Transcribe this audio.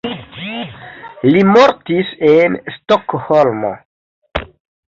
Li mortis en Stokholmo.